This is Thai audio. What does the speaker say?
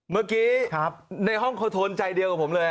เมื่อกี้ในห้องโคโทนใจเดียวกับผมเลย